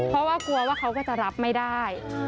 เพราะว่ากลัวว่าเขาก็จะรับไม่ได้